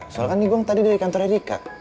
soalnya kan ini gong tadi dari kantornya rika